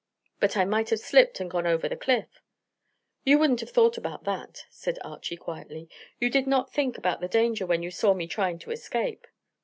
"But I might have slipped and gone over the cliff." "You wouldn't have thought about that," said Archy quietly. "You did not think about the danger when you saw me trying to escape."